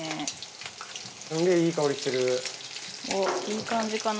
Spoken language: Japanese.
いい感じかな。